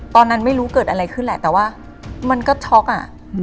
ตอนนั้นไม่รู้เกิดอะไรขึ้นแหละแต่ว่ามันก็ช็อกอ่ะ